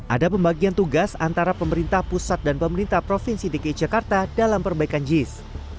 ada pembagian tugas antara pemerintah pusat dan pemerintah provinsi dki jakarta dalam perbaikan jis